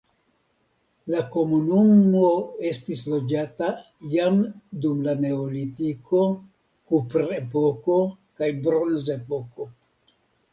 La komunumo estis loĝata jam dum la neolitiko, kuprepoko kaj bronzepoko.